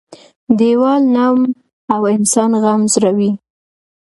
- دیوال نم او انسان غم زړوي.